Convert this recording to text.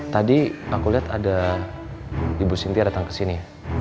tadi aku liat ada ibu cynthia datang kesini